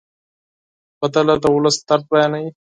سندره د ولس درد بیانوي